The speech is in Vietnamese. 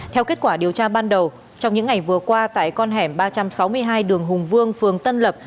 theo kết quả điều tra ban đầu trong những ngày vừa qua tại con hẻm ba trăm sáu mươi hai đường hùng vương phường tân lập